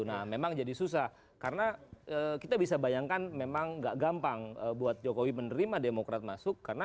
nah memang jadi susah karena kita bisa bayangkan memang gak gampang buat jokowi menerima demokrat masuk